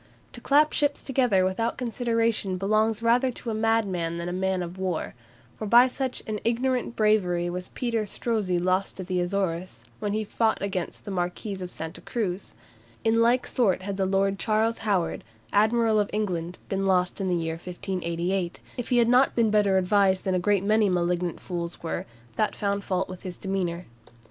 To clap ships together without consideration belongs rather to a madman than to a man of war; for by such an ignorant bravery was Peter Strozzi lost at the Azores, when he fought against the Marquis of Santa Cruz. In like sort had the Lord Charles Howard, Admiral of England, been lost in the year 1588, if he had not been better advised than a great many malignant fools were, that found fault with his demeanour.